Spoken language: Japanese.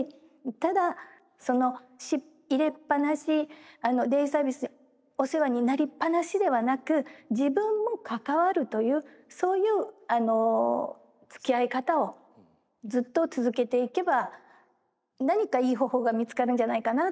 ただ入れっ放しデイサービスでお世話になりっ放しではなく自分も関わるというそういうつきあい方をずっと続けていけば何かいい方法が見つかるんじゃないかなというふうに思います。